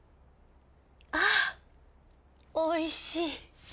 あおいしい。